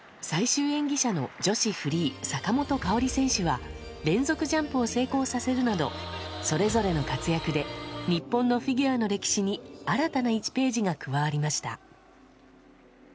最終演技者の女子フリー、坂本花織選手は、連続ジャンプを成功させるなど、それぞれの活躍で日本のフィギュアの歴史に新たな１ページが加わりました。